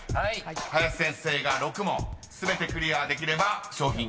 ［林先生が６問全てクリアできれば賞品ゲットです］